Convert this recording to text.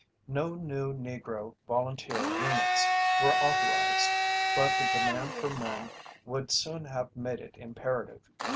No new Negro volunteer units were authorized, but the demand for men would soon have made it imperative.